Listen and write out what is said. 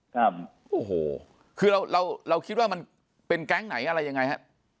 ครับโอ้โหคือเราเราคิดว่ามันเป็นแก๊งไหนอะไรยังไงฮะ